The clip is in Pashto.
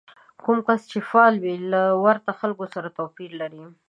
کوم کس چې فعال وي له ورته خلکو سره توپير لري.